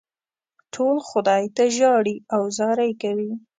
ټول خدای ته ژاړي او زارۍ کوي.